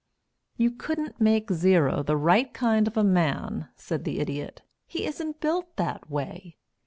"You couldn't make Zero the right kind of a man," said the Idiot. "He isn't built that way.